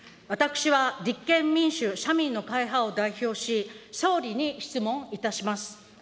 私は、立憲民主・社民の会派を代表し、総理に質問いたします。